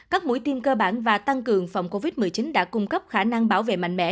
các mũi tiêm cơ bản và tăng cường phòng covid một mươi chín đã cung cấp khả năng bảo vệ mạnh mẽ